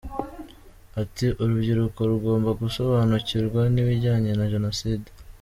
Ati “Urubyiruko rugomba gusobanukirwa n’ibijyanye na Jenoside.